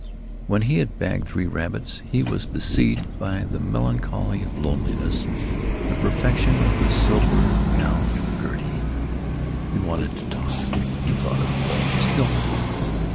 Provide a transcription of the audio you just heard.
When he had bagged three rabbits he was besieged by the melancholy of loneliness, the perfection of the silver gowned Gertie. He wanted to talk. He thought of Bone Stillman.